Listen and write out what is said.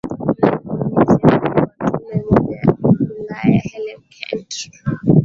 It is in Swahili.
naam ni msemaji wa tume ya umoja ulaya hellen kent